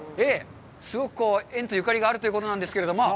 すごく縁とゆかりがあるということなんですけれども。